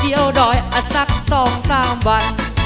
เดี๋ยวดอยอาจสักสองสามวัน